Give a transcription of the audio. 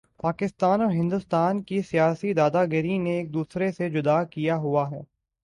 پاکستان اور ہندوستان کی سیاسی دادا گری نے ایک دوسرے سے جدا کیا ہوا ہے